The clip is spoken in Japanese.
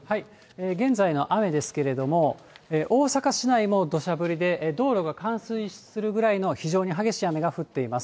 現在の雨ですけれども、大阪市内もどしゃ降りで、道路が冠水するぐらいの非常に激しい雨が降っています。